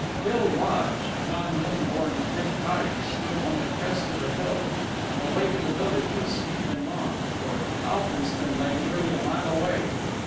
Hill Lodge, John Millinborn's big cottage, stood on the crest of a hill, and the way to the village was steep and long, for Alfronston lay nearly a mile away.